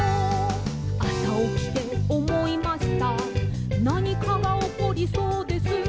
「あさおきておもいましたなにかがおこりそうです」